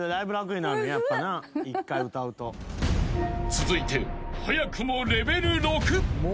［続いて早くもレベル６］